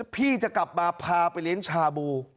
พี่จะกลับมาพาไปเลี้ยงชาบู